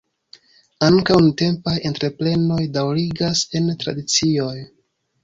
Ankaŭ nuntempaj entreprenoj daŭrigas en tradicioj.